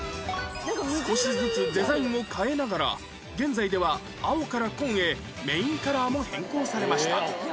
少しずつデザインを変えながら現在では青から紺へメインカラーも変更されました